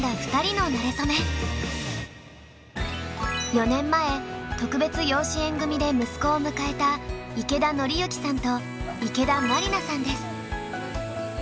４年前特別養子縁組で息子を迎えた池田紀行さんと池田麻里奈さんです。